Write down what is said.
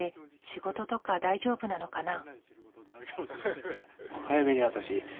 仕事とか大丈夫なのかな？